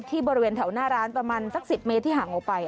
บริเวณแถวหน้าร้านประมาณสัก๑๐เมตรที่ห่างออกไป